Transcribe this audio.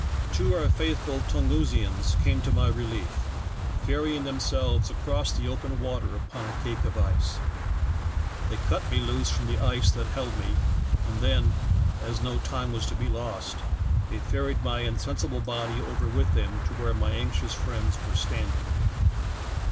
Two of our faithful Tungusians came to my relief, ferrying themselves across the open water upon a cake of ice. They cut me loose from the ice that held me, and then, as no time was FROZEN TO AN ICE FLOE. 47 to be lost, they ferried my insensible body over with them to where my anxious friends were standing.